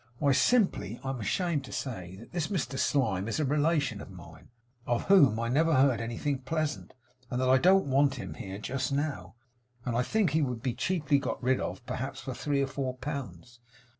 'Why, simply I am ashamed to say that this Mr Slyme is a relation of mine, of whom I never heard anything pleasant; and that I don't want him here just now, and think he would be cheaply got rid of, perhaps, for three or four pounds.